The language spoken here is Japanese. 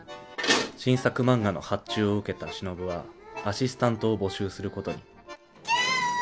新作漫画の発注を受けた忍はアシスタントを募集することにキャーッ！